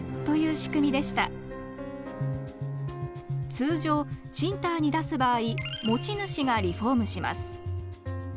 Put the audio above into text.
通常賃貸に出す場合持ち主がリフォームします。